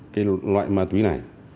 cái loại ma túy này